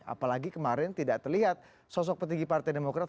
apalagi kemarin tidak terlihat sosok petinggi partai demokrat